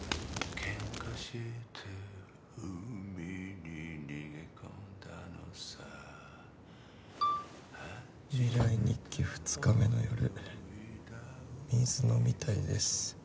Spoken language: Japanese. けんかしてうみににげこんだのさ未来日記２日目の夜水飲みたいです